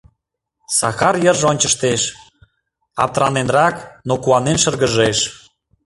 Сакар йырже ончыштеш, аптыраненрак, но куанен шыргыжеш.